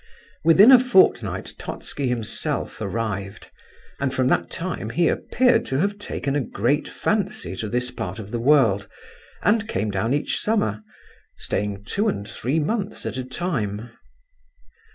Within a fortnight Totski himself arrived, and from that time he appeared to have taken a great fancy to this part of the world and came down each summer, staying two and three months at a time.